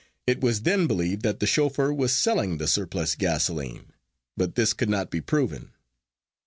It was then believed that the chauffeur was selling the surplus gasoline, but this could not be proven.